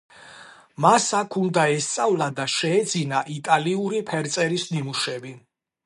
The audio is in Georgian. მას აქ უნდა ესწავლა და შეეძინა იტალიური ფერწერის ნიმუშები.